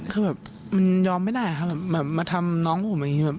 คือแบบมันยอมไม่ได้ครับแบบมาทำน้องผมอย่างนี้